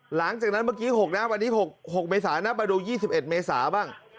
หลังจากนั้นเมื่อกี้๖เมษาน่าไปดู๒๑เมษาบ้าง